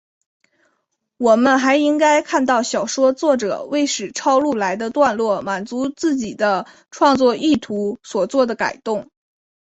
我们还应该看到小说作者为使抄录来的段落满足自己的创作意图所作的改动。